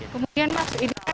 kemudian mas ini kan